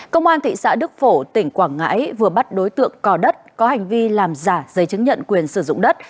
công an thị xã đức phổ tỉnh quảng ngãi vừa bắt đối tượng cò đất có hành vi làm giả giấy chứng nhận quyền sử dụng đất